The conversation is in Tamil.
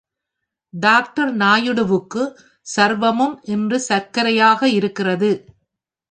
டாக்டர் நாயுடுவுக்கு சர்வமும் இன்று சர்க்கரையாக இருக்கிறது.